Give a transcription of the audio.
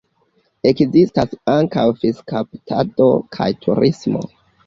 Ekzistas ankaŭ fiŝkaptado kaj turismo.